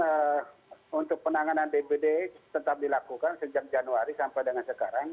untuk penanganan dbd tetap dilakukan sejak januari sampai dengan sekarang